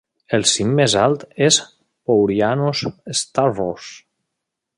El cim més alt és "Pourianos Stavros".